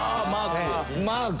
マーク。